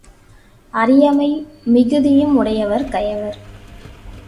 அறியாமை மிகுதியும் உடையவர் கயவர்.